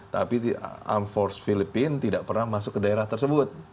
tapi di armed forces philippines tidak pernah masuk ke daerah tersebut